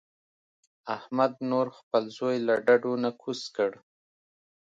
احمد نور خپل زوی له ډډو نه کوز کړ.